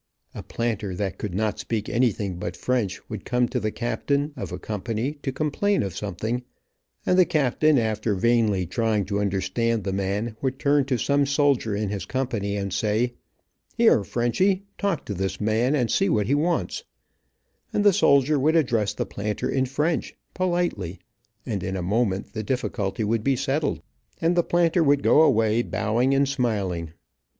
A planter that could not speak anything but French would come to the captain, of a company to complain of something, and the captain after vainly trying to understand the man, would turn to some soldier in his company and say, "Here Frenchy, talk to this man, and see what he wants," and the soldier would address the planter in French, politely, and in a moment the difficulty would be settled, and the planter would go away bowing and smiling.